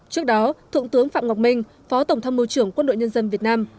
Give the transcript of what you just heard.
trước đó thượng tướng phạm ngọc minh phó tổng thăm môi trưởng quân đội nhân dân việt nam